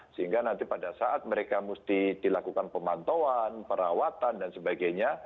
sehingga nanti pada saat mereka mesti dilakukan pemantauan perawatan dan sebagainya